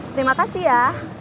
terima kasih ya